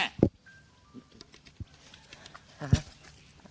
ไม่เท้า